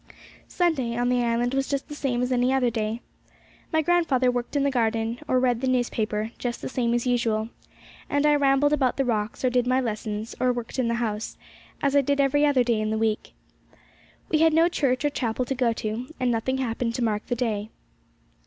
Sunday on the island was just the same as any other day. My grandfather worked in the garden, or read the newspaper, just the same as usual, and I rambled about the rocks, or did my lessons, or worked in the house, as I did every other day in the week. We had no church or chapel to go to, and nothing happened to mark the day.